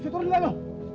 kita turun nggak lo